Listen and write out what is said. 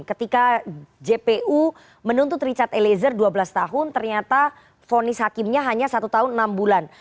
ketika jpu menuntut richard eliezer dua belas tahun ternyata fonis hakimnya hanya satu tahun enam bulan